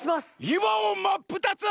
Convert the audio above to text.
いわをまっぷたつ！？